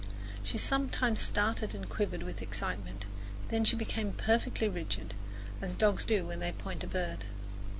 She sometimes started and quivered with excitement, then she became perfectly rigid, as dogs do when they point a bird.